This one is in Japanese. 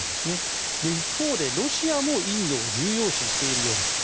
一方でロシアもインドを重要視しているようです。